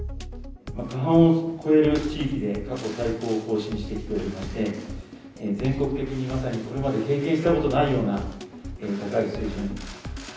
過半を超える地域で過去最高を更新してきておりまして、全国的にまさにこれまで経験したことがないような高い水準。